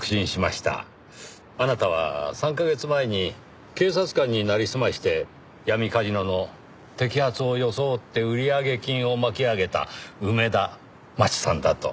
あなたは３カ月前に警察官になりすまして闇カジノの摘発を装って売上金を巻き上げた梅田真知さんだと。